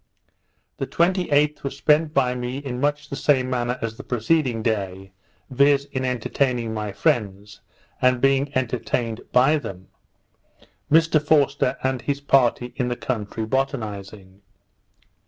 The 28th was spent by me in much the same manner as the preceding day, viz. in entertaining my friends, and being entertained by them. Mr Forster and his party in the country botanizing.